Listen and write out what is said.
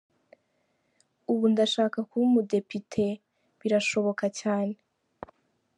Ubu ndashaka kuba umudepite, birashoboka cyane’.